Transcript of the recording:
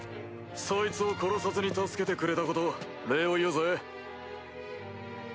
そいつを殺さずに助けてくれたこと礼を言うぜ。